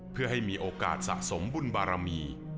เพื่อให้มีโอกาสสะสมบุญบารมี